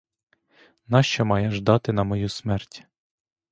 Нащо має ждати на мою смерть?